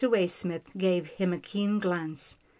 Waysmith gave him a keen glance.